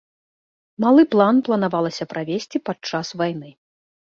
Малы план планавалася правесці падчас вайны.